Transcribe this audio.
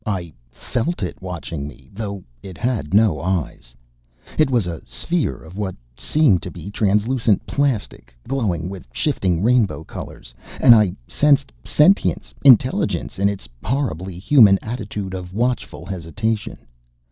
I felt it watching me though it had no eyes! It was a sphere of what seemed to be translucent plastic, glowing with shifting rainbow colors. And I sensed sentience intelligence in its horribly human attitude of watchful hesitation.